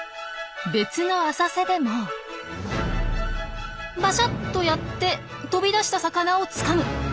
別の浅瀬でもバシャッとやって飛び出した魚をつかむ。